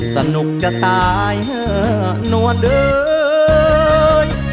สนุกจะตายนวดเอ่ย